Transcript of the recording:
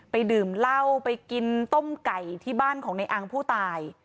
ดื่มเหล้าไปกินต้มไก่ที่บ้านของในอังผู้ตาย